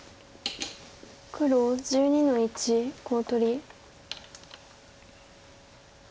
黒１２の一コウ取り。